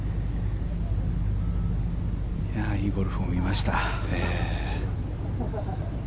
いいゴルフを見ました。